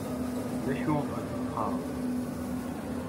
D acu i ad teqqaṛem?